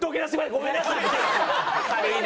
ごめんなさい！